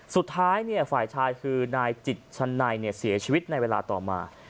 สุดท้ายฝ่ายชายคือนายจิตชันไนเสียชีวิตในเวลาต่อมา